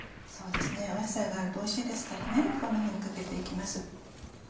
野菜があるとおいしいですからこんなふうにかけて行きます。